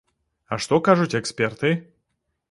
А што кажуць эксперты?